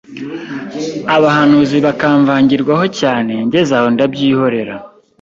abahanuzi bakamvangirwaho cyane ngeze aho ndabyihorera